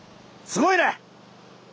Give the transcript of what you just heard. すごいね！